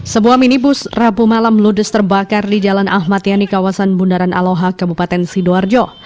sebuah minibus rabu malam ludes terbakar di jalan ahmad yani kawasan bundaran aloha kabupaten sidoarjo